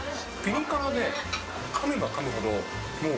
ピリ辛でかめばかむほどもう、